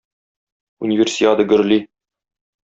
Универсиада гөрли